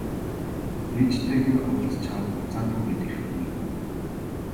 Ээжтэйгээ уулзчихаад буцаад хүрээд ирэхгүй юу?